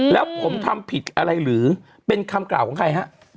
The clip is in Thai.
แล้วผมทำผิดอะไรหรือเป็นคำกล่าวของใครฮะ